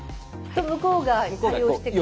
向こうが対応してくれる？